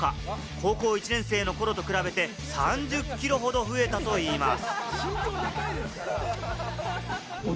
高校１年生のときと比べて３０キロほど増えたといいます。